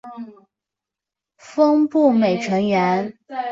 峰步美成员。